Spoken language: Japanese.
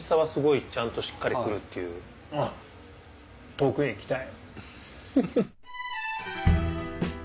遠くへ行きたい。